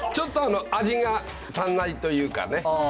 ちょっと味が足んないというかね。